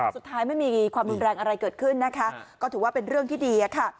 ไม่มีความรุนแรงอะไรเกิดขึ้นนะคะก็ถือว่าเป็นเรื่องที่ดีอะค่ะ